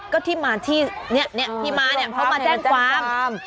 ก็ที่มาที่เนี่ยที่มาเนี่ยเขามาแจ้งความ